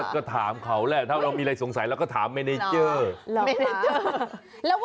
ก็ถามเขาแหละถ้าเรามีอะไรสงสัยเราก็ถามเมเนเจอร์